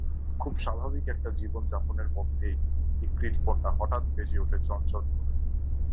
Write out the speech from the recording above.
খুব স্বাভাবিক একটা জীবনযাপনের মধ্যেই ইকরির ফোনটা হঠাৎ বেজে ওঠে ঝনঝন করে।